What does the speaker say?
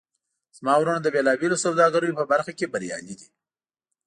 زما وروڼه د بیلابیلو سوداګریو په برخه کې بریالي دي